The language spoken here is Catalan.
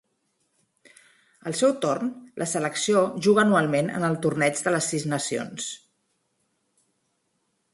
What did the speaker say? Al seu torn, la selecció juga anualment en el Torneig de les Sis Nacions.